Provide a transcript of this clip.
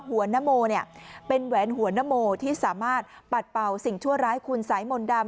นโมเป็นแหวนหัวนโมที่สามารถปัดเป่าสิ่งชั่วร้ายคุณสายมนต์ดำ